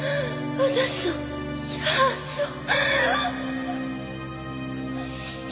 私の幸せを返して！